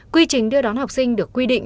quy trình đưa đón học sinh được quy định